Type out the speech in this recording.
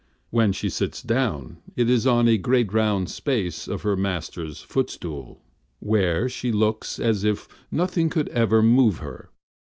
When she sits down it is on a great round space of her Maker's footstool, where she looks as if nothing could ever move her.